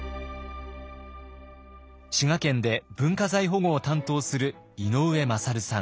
滋賀県で文化財保護を担当する井上優さん。